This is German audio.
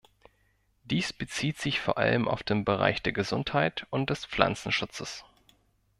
Dies bezieht sich vor allem auf den Bereich der Gesundheit und des Pflanzenschutzes.